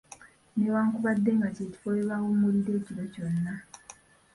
Newankubadde nga kye kifo we bawummulira ekiro kyonna.